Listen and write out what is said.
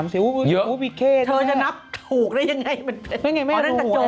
๑๒๓เธอจะนับถูกได้อย่างไร